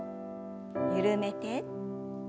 緩めて。